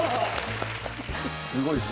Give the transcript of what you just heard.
すごいです。